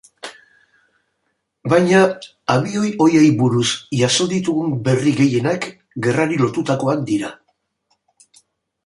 Baina abioi horiei buruz jaso ditugun berri gehienak gerrari lotutakoak dira.